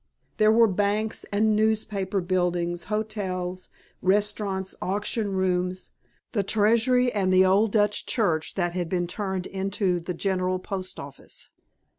There were banks and newspaper buildings, hotels, restaurants, auction rooms, the Treasury and the old Dutch Church that had been turned into the General Post Office.